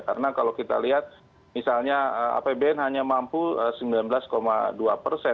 karena kalau kita lihat misalnya apbn hanya mampu sembilan belas dua persen